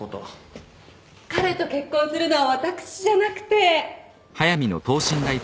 彼と結婚するのは私じゃなくて。